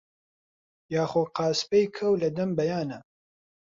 یا خۆ قاسپەی کەو لەدەم بەیانا